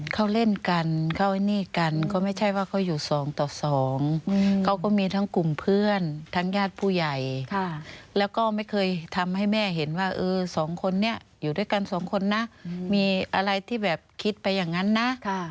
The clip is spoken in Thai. เขาเล่นกันเข้าไอ้นี่กันก็ไม่ใช่ว่าเขาอยู่สองต่อสองเขาก็มีทั้งกลุ่มเพื่อนทั้งญาติผู้ใหญ่แล้วก็ไม่เคยทำให้แม่เห็นว่าเออสองคนนี้อยู่ด้วยกันสองคนนะมีอะไรที่แบบคิดไปอย่างนั้นนะ